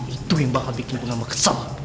itu yang bakal bikin bu nga mekesel